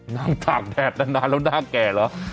นั่งตากแดดนานแล้วหน้าแกหรอ